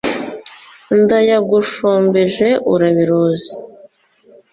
Ndayagushumbije urabiruzi